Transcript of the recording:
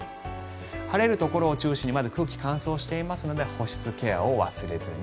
晴れるところを中心に空気が乾燥していますので保湿ケアを忘れずに。